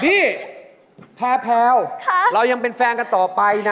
พี่แพลวเรายังเป็นแฟนกันต่อไปนะ